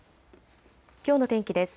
きょうの天気です。